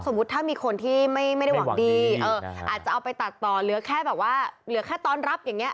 สมมุติถ้ามีคนที่ไม่ได้หวังดีอาจจะเอาไปตัดต่อเหลือแค่ต้อนรับอย่างนี้